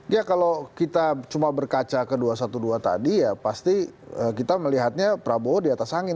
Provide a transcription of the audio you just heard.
ya kalau kita cuma berkaca ke dua ratus dua belas tadi ya pasti kita melihatnya prabowo di atas angin